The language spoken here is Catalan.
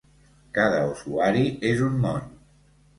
Cada usuari és un món.